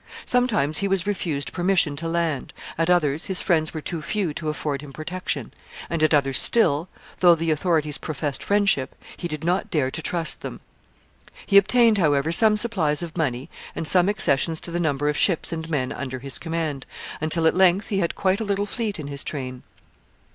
Sometimes he was refused permission to land; at others, his friends were too few to afford him protection; and at others still, though the authorities professed friendship, he did not dare to trust them. He obtained, however, some supplies of money and some accessions to the number of ships and men under his command, until at length he had quite a little fleet in his train.